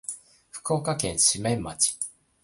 福岡県志免町